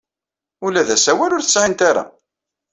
Ula d asawal ur t-sɛint ara.